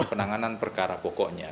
penanganan perkara pokoknya